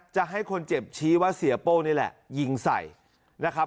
จะให้คนเจ็บชี้ว่าเสียโป้นี่แหละยิงใส่นะครับ